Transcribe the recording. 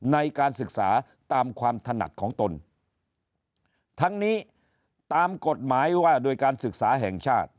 ในการศึกษาตามความถนัดของตนทั้งนี้ตามกฎหมายว่าโดยการศึกษาแห่งชาติ